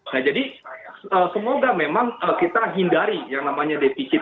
nah jadi semoga memang kita hindari yang namanya defisit